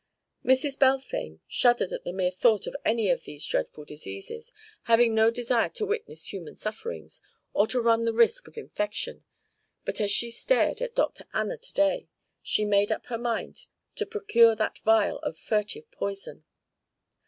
Mrs. Balfame shuddered at the mere thought of any of these dreadful diseases, having no desire to witness human sufferings, or to run the risk of infection, but as she stared at Dr. Anna to day, she made up her mind to procure that vial of furtive poison.